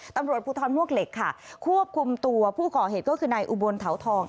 ตำรวจภูทรมวกเหล็กค่ะควบคุมตัวผู้ก่อเหตุก็คือนายอุบลเถาทอง